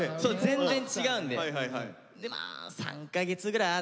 全然違うんで。